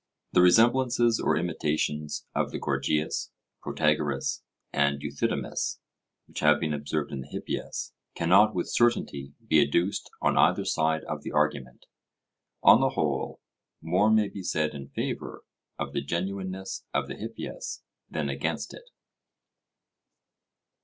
The resemblances or imitations of the Gorgias, Protagoras, and Euthydemus, which have been observed in the Hippias, cannot with certainty be adduced on either side of the argument. On the whole, more may be said in favour of the genuineness of the Hippias than against it.